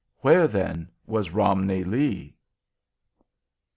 Where, then, was Romney Lee?